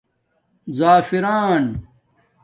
زَعفران